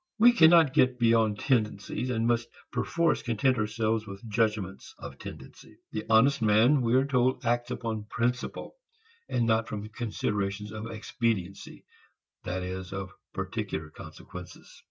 We cannot get beyond tendencies, and must perforce content ourselves with judgments of tendency. The honest man, we are told, acts upon "principle" and not from considerations of expediency, that is, of particular consequences.